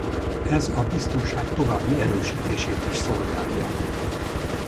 Ez a biztonság további erősítését is szolgálja.